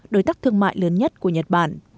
đối tác thương mại lớn nhất của nhật bản